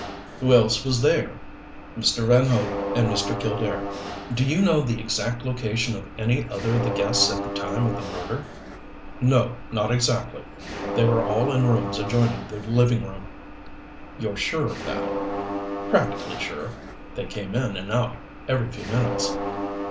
"Who else was there?" "Mr. Van Hope and Mr. Killdare." "Do you know the exact location of any other of the guests at the time of the murder?" "No, not exactly. They were all in rooms adjoining the living room." "You're sure of that?" "Practically sure. They came in and out every few minutes."